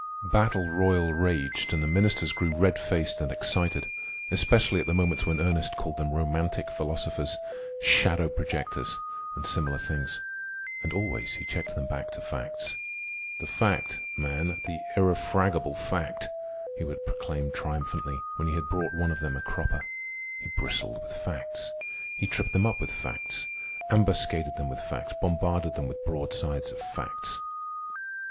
Battle royal raged, and the ministers grew red faced and excited, especially at the moments when Ernest called them romantic philosophers, shadow projectors, and similar things. And always he checked them back to facts. "The fact, man, the irrefragable fact!" he would proclaim triumphantly, when he had brought one of them a cropper. He bristled with facts. He tripped them up with facts, ambuscaded them with facts, bombarded them with broadsides of facts.